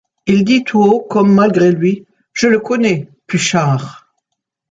Il dit tout haut, comme malgré lui: — Je le connais, Pluchart.